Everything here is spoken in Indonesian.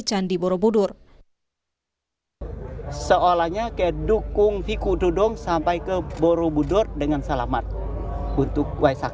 candi borobudur seolahnya ke dukung viku dudong sampai ke borobudur dengan salamat untuk waisak